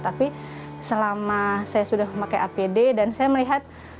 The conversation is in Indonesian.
tapi selama saya sudah pakai apd dan saya melihat